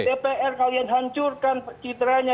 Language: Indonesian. dpr kalian hancurkan citranya